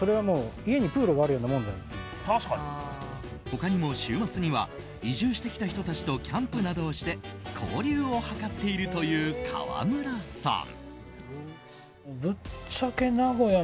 他にも週末には移住してきた人たちとキャンプなどをして交流を図っているという川村さん。